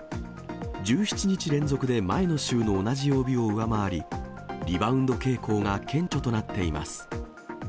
１７日連続で前の週の同じ曜日を上回り、リバウンド傾向が顕著となっています。